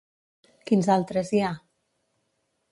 Quins altres hi ha?